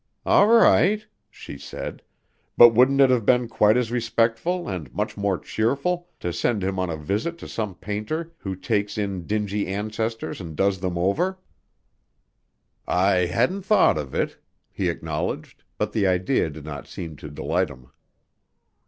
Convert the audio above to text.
"All right," she said, "but wouldn't it have been quite as respectful and much more cheerful to send him on a visit to some painter who takes in dingy ancestors and does them over?" "I hadn't thought of it," he acknowledged, but the idea did not seem to delight him.